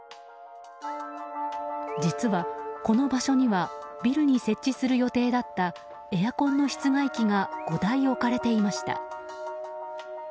実は、この場所にはビルに設置する予定だったエアコンの室外機が５台置かれていました。